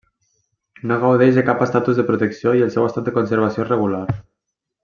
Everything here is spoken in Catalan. No gaudeix de cap estatus de protecció i el seu estat de conservació és regular.